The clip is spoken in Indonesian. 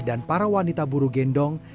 dan para wanita buru gendong